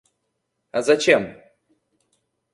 А зачем?